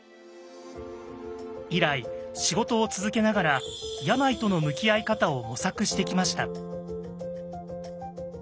以来仕事を続けながら病との向き合い方を模索してきました。